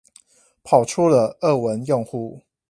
跑出了俄文用戶